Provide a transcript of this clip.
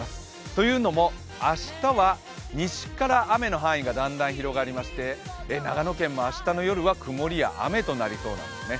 というのも、明日は西から雨の範囲がだんだん広がりまして長野県も明日の夜は曇りや雨となりそうなんですね。